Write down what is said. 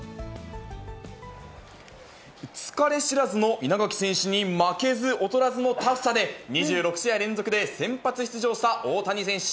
疲れ知らずの稲垣選手に負けず劣らずのタフさで２６試合連続で先発出場した大谷選手。